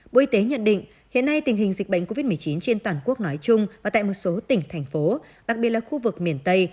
bộ y tế nhận định hiện nay tình hình dịch bệnh covid một mươi chín trên toàn quốc nói chung và tại một số tỉnh thành phố đặc biệt là khu vực miền tây